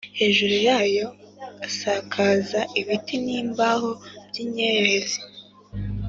hejuru yayo asakaza ibiti n’imbaho by’imyerezi